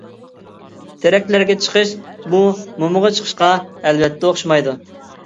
تىرەكلەرگە چىقىش بۇ مومىغا چىقىشقا ئەلۋەتتە ئوخشىمايدۇ.